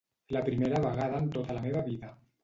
La primera vegada en tota la meva vida.